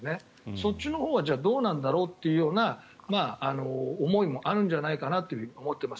そっちのほうは、じゃあどうなんだろうという思いもあるんじゃないかと思っています。